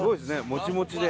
もちもちで。